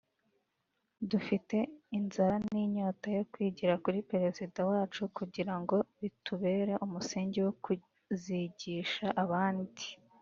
Dufite inzara n’inyota yo kwigira kuri Perezida wacu kugira ngo bitubere umusingi wo kuzigisha abandi”